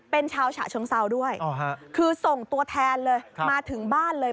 เป็นชาวฉะเชิงเซาด้วยคือส่งตัวแทนเลยมาถึงบ้านเลย